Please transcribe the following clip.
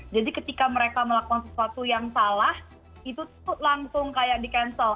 jadi ketika mereka melakukan sesuatu yang salah itu tuh langsung kayak di cancel